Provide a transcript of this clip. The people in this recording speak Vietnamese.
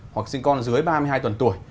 hoặc sinh con dưới ba mươi hai tuần tuổi